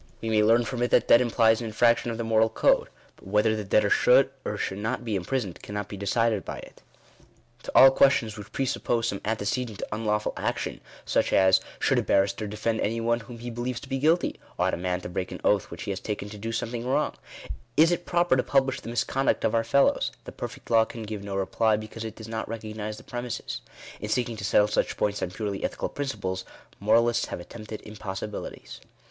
We may learn from it that debt implies an infraction of the moral code ; but whether the debtor should or should not be imprisoned, cannot be decided by it. To all Digitized by VjOOQIC DEFINITION OF MORALITY. 57 questions which presuppose some antecedent unlawful action, such as — Should a barrister defend any one whom he believes to be guilty ? Ought a man to break an oath which he has taken to do something wrong ? Is it proper to publish the misconduct of our fellows? the perfect law can give no reply, because it does not recognise the premises. In seeking to settle such points on purely ethical principles, moralists have attempted impossibilities.